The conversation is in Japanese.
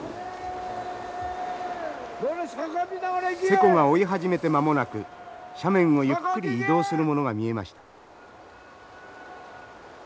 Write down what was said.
勢子が追い始めて間もなく斜面をゆっくり移動するものが見えました。